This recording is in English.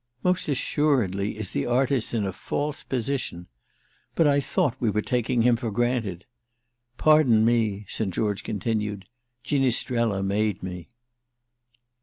Most assuredly is the artist in a false position! But I thought we were taking him for granted. Pardon me," St. George continued: "'Ginistrella' made me!"